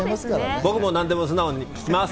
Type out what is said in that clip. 僕も何でも素直に聞きます。